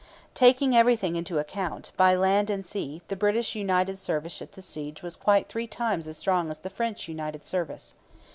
Taking everything into account, by land and sea, the British united service at the siege was quite three times as strong as the French united service.